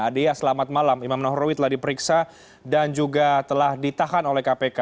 adia selamat malam imam nahrawi telah diperiksa dan juga telah ditahan oleh kpk